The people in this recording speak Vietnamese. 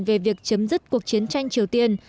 về việc chấm dứt cuộc chiến tranh triều tiên